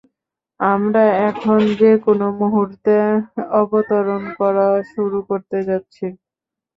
আমরা এখন যে কোনো মুহূর্তে অবতরণ করা শুরু করতে যাচ্ছি।